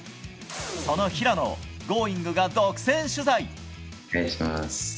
その平野を「Ｇｏｉｎｇ！」が独占取材。